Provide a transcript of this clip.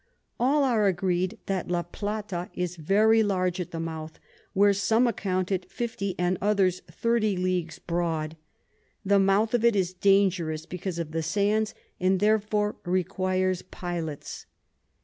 All are agreed that La Plata is very large at the Mouth, where some account it 50, and others 30 Leagues broad. The Mouth of it is dangerous because of Sands, and therefore requires Pilots.